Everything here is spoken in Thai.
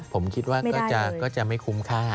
ผมคิดว่าก็จะไม่คุ้มค่า